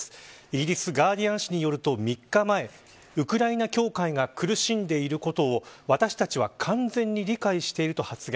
イギリス、ガーディアン紙によると３日前ウクライナ教会が苦しんでいることを私たちは完全に理解していると発言。